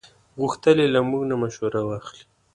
غوښتل یې له موږ نه مشوره واخلي.